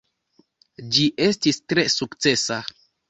Ĝi estis tre sukcesa.